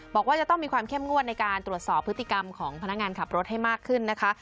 บอกว่าจะต้องมีความเข้มงวดในการตรวจสอบพฤติกรรมของพนักงานขับรถให้มากขึ้นนะคะ